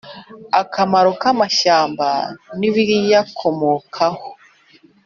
Akamaro k’amashyamba n’ibiyakomokaho